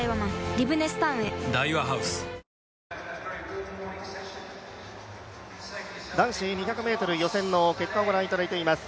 リブネスタウンへ男子２００ｍ予選の結果をご覧いただいています。